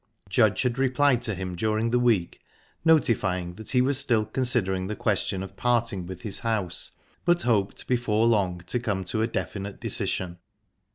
Judge had replied to him during the week, notifying that he was still considering the question of parting with his house, but hoped before long to come to a definite decision.